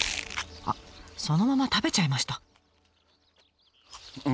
あっそのまま食べちゃいました。